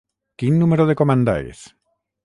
Quin número de comanda és?